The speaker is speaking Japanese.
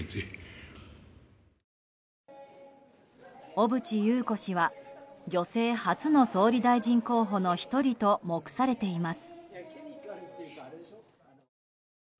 小渕優子氏は女性初の総理大臣候補の１人と目されています。